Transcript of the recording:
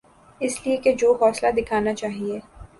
اس لئے کہ جو حوصلہ دکھانا چاہیے۔